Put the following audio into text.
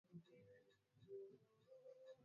Sitembei nao leo